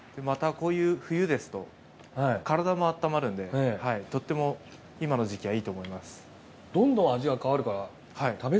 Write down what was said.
またこういう冬ですと体もあったまるんでとっても今の時期はいいと思います。